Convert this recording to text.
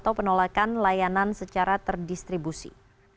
dato' facebook juga menyampaikan penggunaan layanan secara terdistribusi